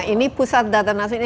nah ini pusat data nasional